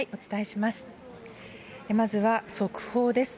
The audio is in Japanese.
まずは速報です。